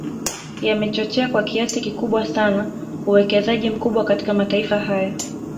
Yamechochea kwa kiasi kikubwa sana uwekezaji mkubwa katika mataifa haya